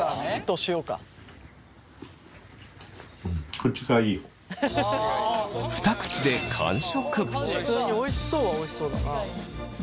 普通においしそうはおいしそうだな。